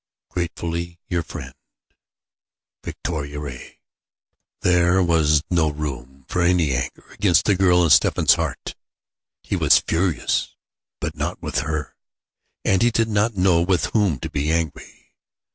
Gratefully your friend, "VICTORIA RAY." There was no room for any anger against the girl in Stephen's heart. He was furious, but not with her. And he did not know with whom to be angry.